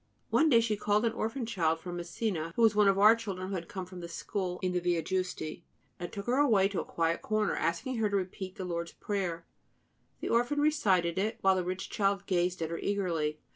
One day she called an orphan child from Messina, who was one of our children who had come from the school in the Via Giusti, and took her away into a quiet corner, asking her to repeat the Lord's Prayer. The orphan recited it, while the rich child gazed at her eagerly.